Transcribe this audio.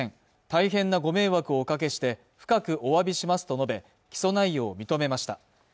大変なご迷惑をおかけして深くおわびしますと述べ起訴内容を認めました